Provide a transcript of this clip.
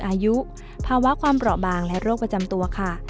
อายุภาวะความเปราะบางและโรคประจำตัวค่ะ